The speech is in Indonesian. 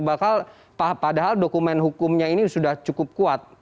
bakal padahal dokumen hukumnya ini sudah cukup kuat